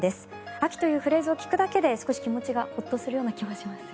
秋というフレーズを聞くだけで少し気持ちがホッとする気がしますね。